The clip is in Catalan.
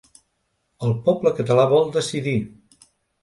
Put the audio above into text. El poble català vol decidir.